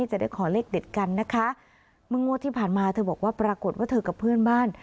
จะได้ขอเลขเด็ดกันนะคะเมื่องวดที่ผ่านมาเธอบอกว่าปรากฏว่าเธอกับเพื่อนบ้าน